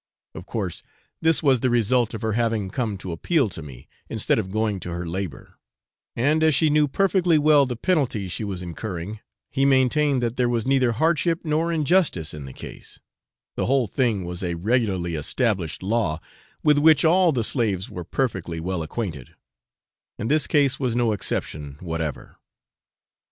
Of course this was the result of her having come to appeal to me, instead of going to her labour; and as she knew perfectly well the penalty she was incurring, he maintained that there was neither hardship nor injustice in the case; the whole thing was a regularly established law, with which all the slaves were perfectly well acquainted; and this case was no exception whatever.